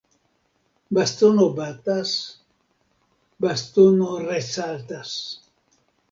Bastono batas, bastono resaltas.